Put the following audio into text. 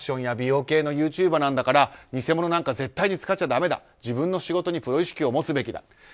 ファッションや美容系のユーチューバーなんだから偽物なんか絶対使っちゃだめ自分の仕事にプロ意識を持つべきだ。